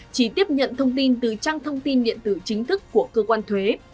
chỉ tiếp nhận thông tin từ trang thông tin điện tử chính thức của cơ quan thuế